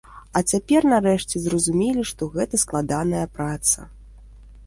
А цяпер нарэшце зразумелі, што гэта складаная праца.